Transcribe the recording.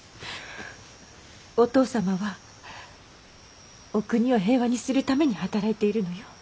お父様はお国を平和にするために働いているのよ。